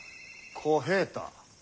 小平太。